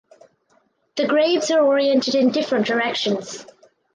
The graves are oriented in different directions.